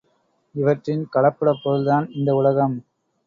இவற்றின் கலப்படப் பொருள்தான் இந்த உலகம்!